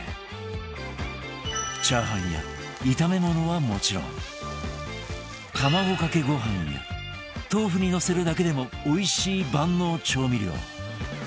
チャーハンや炒め物はもちろん卵かけご飯や豆腐にのせるだけでもおいしい万能調味料